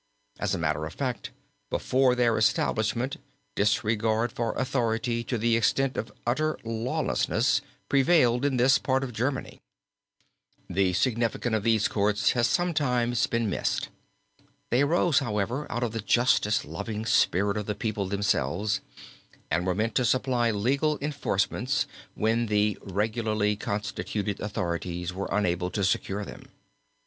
As a matter of fact, before their establishment disregard for authority to the extent of utter lawlessness prevailed in this part of Germany. {opp368} CITY GATE (NEUBRANDENBURG) RATHHAUS (STRALSUND) The significance of these courts has sometimes been missed. They arose, however, out of the justice loving spirit of the people themselves and were meant to supply legal enforcements when the regularly constituted authorities were unable to secure them.